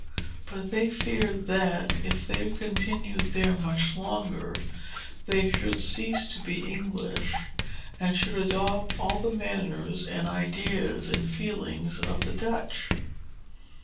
But they feared that, if they continued there much longer, they should cease to be English, and should adopt all the manners and ideas and feelings of the Dutch.